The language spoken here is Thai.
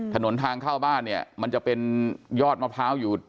ถนนทางเข้าบ้านเนี่ยมันจะเป็นยอดมะพร้าวอยู่